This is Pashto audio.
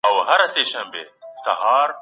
ولې ځينې کتابونه سانسور کېږي؟